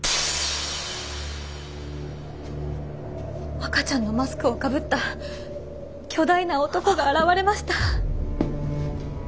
赤ちゃんのマスクをかぶった巨大な男が現れました。